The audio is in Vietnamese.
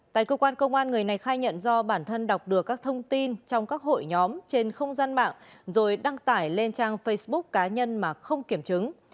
tại cơ quan công an người này khai nhận do bản thân đọc được các thông tin trong các hội nhóm trên không gian mạng rồi đăng tải lên trang facebook cá nhân mà không kiểm chứng